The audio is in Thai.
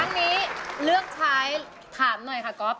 ครั้งนี้เลือกใช้ถามหน่อยค่ะก๊อฟ